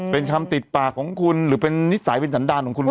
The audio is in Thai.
เป็นคำติดปากของคุณหรือเป็นนิสัยเป็นสันดาลของคุณ